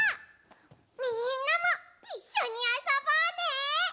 みんなもいっしょにあそぼうね！